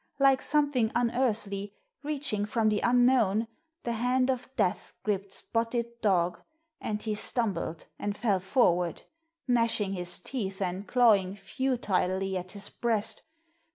Like something unearthly, reaching from the unknown, the hand of death gripped Spotted Dog and he stumbled and fell forward, gnashing his teeth and clawing futilely at his breast.